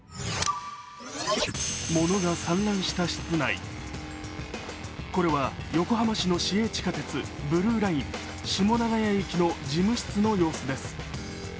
ものが散乱した室内、これは横浜市の市営地下鉄ブルーライン、下永谷駅の事務室の様子です。